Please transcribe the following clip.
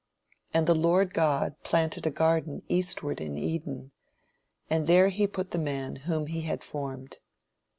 "And the Lord God planted a garden eastward in Eden; and there he put the man whom he had formed.